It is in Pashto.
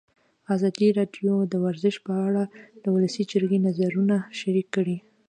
ازادي راډیو د ورزش په اړه د ولسي جرګې نظرونه شریک کړي.